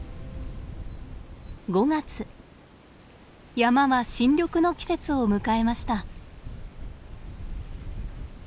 山は新緑の季節を迎えました。